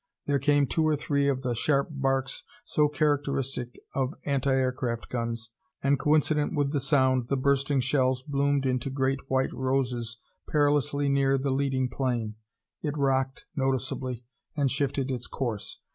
There came two or three of the sharp barks so characteristic of anti aircraft guns, and coincident with the sound the bursting shells bloomed into great white roses perilously near the leading plane. It rocked, noticeably, and shifted its course.